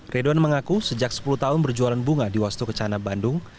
ridwan mengaku sejak sepuluh tahun berjualan bunga di wasto kecana bandung